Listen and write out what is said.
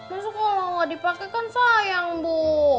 masuk kalau gak dipake kan sayang bu